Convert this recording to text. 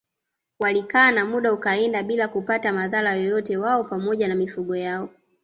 Walikaa na muda ukaenda bila kupata madhara yoyote wao pamoja na mifugo yao